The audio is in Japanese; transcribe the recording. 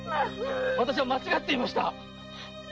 私は間違っていました。